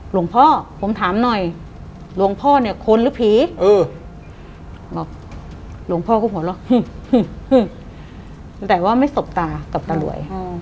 หลวงพ่อผมถามหน่อยหลวงพ่อเนี่ยคนหรือผีบอกหลวงพ่อก็หัวเราะแต่ว่าไม่สบตากับตารวย